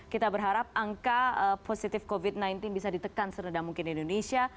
kita berharap angka positif covid sembilan belas bisa ditekan serendah mungkin di indonesia